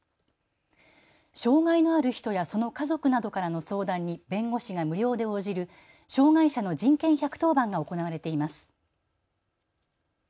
障害のある人やその家族などからの相談に弁護士が無料で応じる障害者の人権１１０番が行われています。